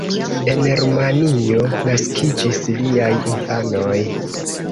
En Rumanio naskiĝis liaj infanoj.